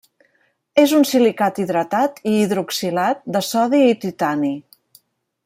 És un silicat hidratat i hidroxilat de sodi i titani.